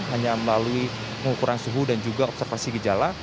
hanya melalui pengukuran suhu dan juga observasi gejala